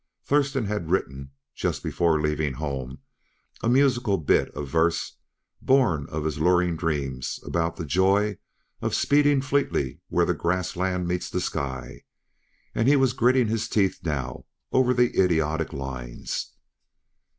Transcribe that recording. Thurston had written, just before leaving home, a musical bit of verse born of his luring dreams, about "the joy of speeding fleetly where the grassland meets the sky," and he was gritting his teeth now over the idiotic lines.